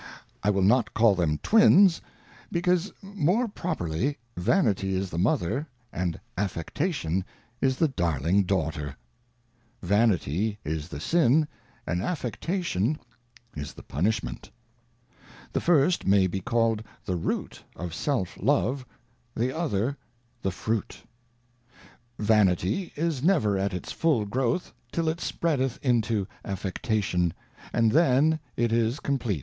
/l will not call them Twins, because more properly Vanity is the Mother, and Affectation is the Darling, Daughter ; Vanity is_ jt he^^rr, and Affectation is the Punishment ; the first may be called the Root of Self Love, the other the Fruit. Vanity is never at its full growth till it spreadeth into Affectation, and then it is compleat.